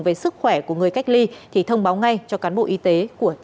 về sức khỏe của người cách ly thì thông báo ngay cho cán bộ y tế của trạm y tế